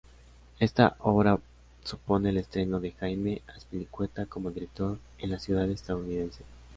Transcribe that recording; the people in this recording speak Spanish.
Esta obra supone el estreno de Jaime Azpilicueta como director en la ciudad estadounidense.